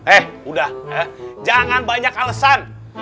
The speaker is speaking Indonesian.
eh udah jangan banyak alasan